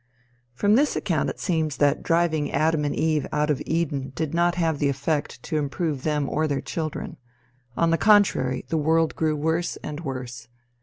From this account it seems that driving Adam and Eve out of Eden did not have the effect to improve them or their children. On the contrary, the world grew worse and worse.